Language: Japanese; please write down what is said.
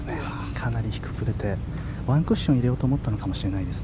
かなり低く出てワンクッション入れようと思ったのかもしれません。